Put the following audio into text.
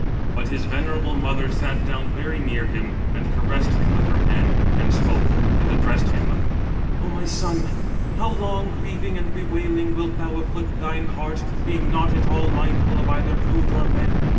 But his venerable mother sat down very near him, and caressed him with her hand, and spoke, and addressed him: "O my son, how long, grieving and bewailing, wilt thou afflict thine heart, being not at all mindful of either food or bed?